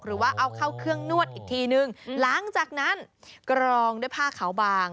หรือว่าเอาเข้าเครื่องนวดอีกทีนึงหลังจากนั้นกรองด้วยผ้าขาวบาง